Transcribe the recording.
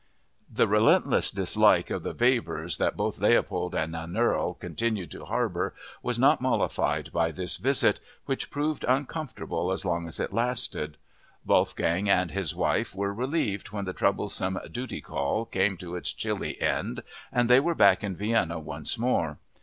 The relentless dislike for the Webers that both Leopold and Nannerl continued to harbor was not mollified by this visit, which proved uncomfortable as long as it lasted. Wolfgang and his wife were relieved when the troublesome "duty call" came to its chilly end and they were back in Vienna once more.